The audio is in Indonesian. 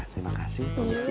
terima kasih om idoi